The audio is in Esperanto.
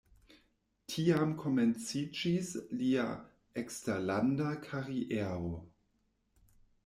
Tiam komenciĝis lia eksterlanda kariero.